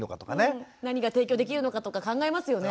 何が提供できるのかとか考えますよね。